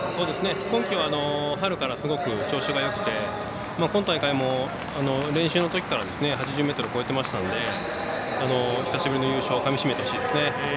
今季は、春からすごく調子がよくて、今大会も練習のときから８０ｍを超えてましたので久しぶりの優勝をかみしめてほしいですね。